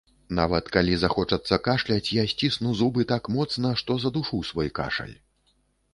Нават, калі захочацца кашляць, я сцісну зубы так моцна, што задушу свой кашаль.